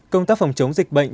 công tác phòng chống dịch bệnh